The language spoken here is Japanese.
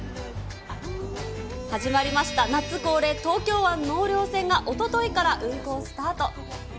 始まりました、夏東京湾納涼船が、おとといから運航スタート。